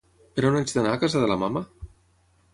Per on haig d'anar a casa de la mama?